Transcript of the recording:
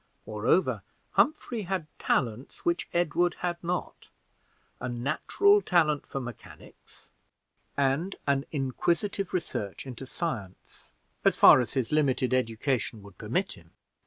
Moreover, Humphrey had talents which Edward had not a natural talent for mechanics, and an inquisitive research into science, as far as his limited education would permit him.